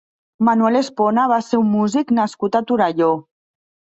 Manuel Espona va ser un músic nascut a Torelló.